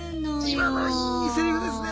今のいいセリフですね。